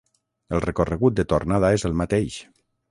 El recorregut de tornada és el mateix.